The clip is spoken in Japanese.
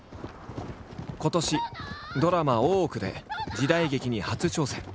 今年ドラマ「大奥」で時代劇に初挑戦。